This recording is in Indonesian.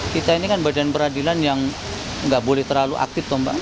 kita ini kan badan peradilan yang nggak boleh terlalu aktif tombak